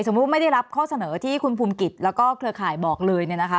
สมมุติว่าไม่ได้รับข้อเสนอที่คุณภูมิกิจแล้วก็เครือข่ายบอกเลย